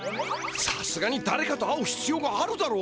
さすがにだれかと会うひつようがあるだろ？